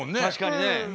確かにね。